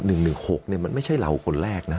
๑๑๖เนี่ยมันไม่ใช่เราคนแรกนะ